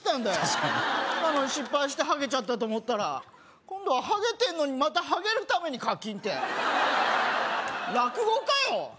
確かになのに失敗してハゲちゃったと思ったら今度はハゲてんのにまたハゲるために課金って落語かよ